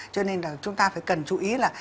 cho nên là chúng ta phải cần chú ý là